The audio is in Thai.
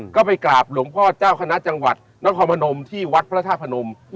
ก็ไปกราบหลวงพ่อเจ้าคณะจังหวัดนครพนมที่วัดพระธาตุพนม